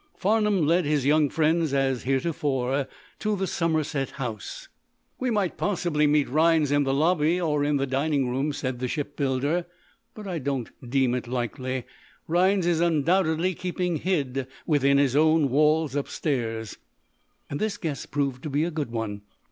Farnum led his young friends, as heretofore, to the Somerset House. "We might possibly meet Rhinds in the lobby, or in the dining room," said the shipbuilder, "but I don't deem it likely. Rhinds is undoubtedly keeping hid within his own walls upstairs." This guess proved to be a good one.